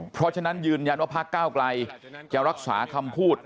เพราะฉะนั้นยืนยันว่าพักก้าวไกลจะรักษาคำพูด